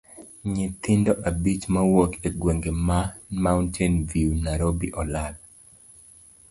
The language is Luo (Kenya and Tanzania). Nyithindo abich mawuok e gwenge ma mountain view Nairobi olal.